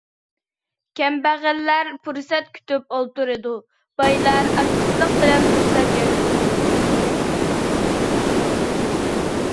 كەمبەغەللەر پۇرسەت كۈتۈپ ئولتۇرىدۇ، بايلار ئاكتىپلىق بىلەن پۇرسەت يارىتىدۇ.